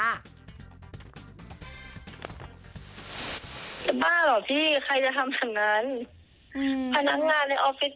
ผิดปกติในภาวะจิตใจเหมือนกันหมดเหรอ